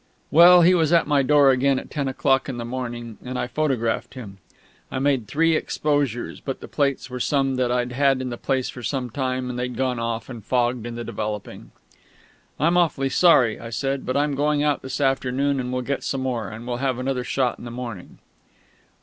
Well, he was at my door again at ten o'clock in the morning, and I photographed him. I made three exposures; but the plates were some that I'd had in the place for some time, and they'd gone off and fogged in the developing. "I'm awfully sorry," I said; "but I'm going out this afternoon, and will get some more, and we'll have another shot in the morning."